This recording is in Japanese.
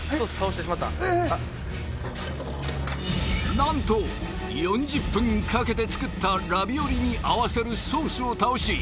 なんと４０分かけて作ったラビオリに合わせるソースを倒し